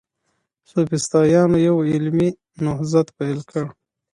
سوفسطائيانو يو علمي نهضت پيل کړ.